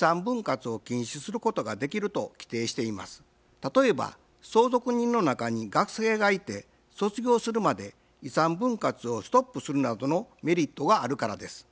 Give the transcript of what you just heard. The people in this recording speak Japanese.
例えば相続人の中に学生がいて卒業するまで遺産分割をストップするなどのメリットがあるからです。